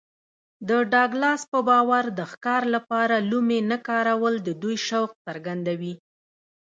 د ډاګلاس په باور د ښکار لپاره لومې نه کارول د دوی شوق څرګندوي